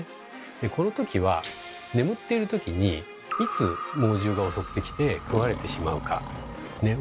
でこの時は眠っている時にいつ猛獣が襲ってきて食われてしまうかねっ分からない